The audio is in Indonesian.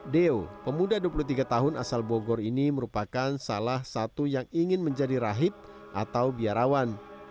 deo pemuda dua puluh tiga tahun asal bogor ini merupakan salah satu yang ingin menjadi rahib atau biarawan